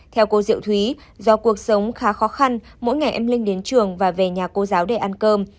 theo cô diệu thúy do cuộc sống khá khó khăn mỗi ngày em linh đến trường và về nhà cô giáo để ăn cơm